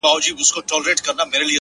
بيا به دا نه وايې چي چا سره خبرې وکړه!!